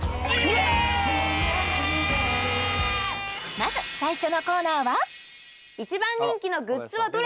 まず最初のコーナーは一番人気のグッズはどれ？